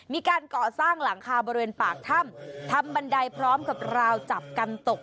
มีการก่อสร้างหลังคาบริเวณปากถ้ำทำบันไดพร้อมกับราวจับกันตก